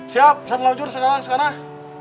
siap saya meluncur sekarang sekarang